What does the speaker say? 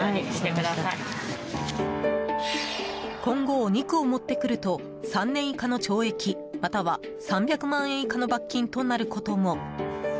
今後、お肉を持ってくると３年以下の懲役または３００万円以下の罰金となることも。